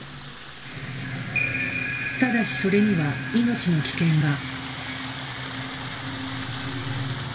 ただしそれには命の危険が。